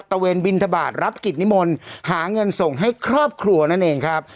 เวนบินทบาทรับกิจนิมนต์หาเงินส่งให้ครอบครัวนั่นเองครับ